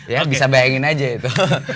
ya bisa bayangin aja itu